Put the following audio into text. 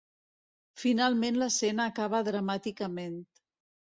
Finalment l'escena acaba dramàticament.